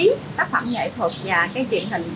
và các truyền hình chuyên biệt